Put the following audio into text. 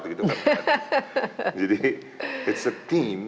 jadi itu adalah tim